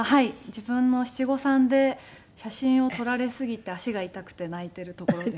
自分の七五三で写真を撮られすぎて足が痛くて泣いているところです。